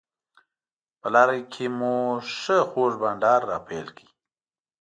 په لاره کې مو ښه خوږ بانډار راپیل کړ.